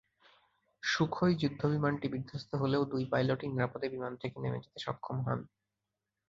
Sukhoi যুদ্ধবিমানটি বিধ্বস্ত হলেও দুই পাইলটই নিরাপদে বিমান থেকে নেমে যেতে সক্ষম হন।